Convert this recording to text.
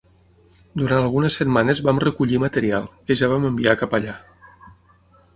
Durant algunes setmanes vam recollir material, que ja vam enviar cap allà.